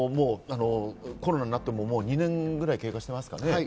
コロナになって２年ぐらい経過しています。